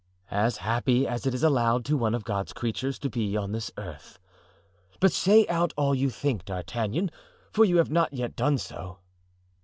"As happy as it is allowed to one of God's creatures to be on this earth; but say out all you think, D'Artagnan, for you have not yet done so."